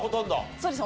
そうですね。